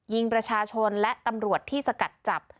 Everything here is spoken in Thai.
ยิงประชาชนและตำรวจที่สกัดจับ